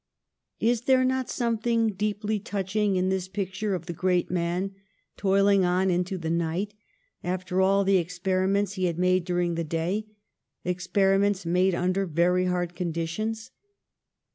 Is there not something deeply touching in this picture of the great man toiling on into the night, after all the experiments he had made during the day, experiments made under very hard conditions?